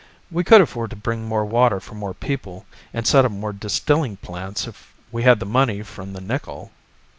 We could afford to bring more water for more people, and set up more distilling plants if we had the money from the nickel.